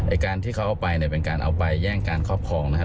การที่เขาเอาไปเนี่ยเป็นการเอาไปแย่งการครอบครองนะครับ